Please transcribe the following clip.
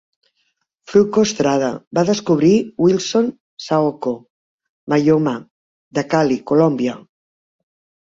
Fruko Estrada va descobrir Wilson "Saoko" Manyoma, de Cali, Colòmbia.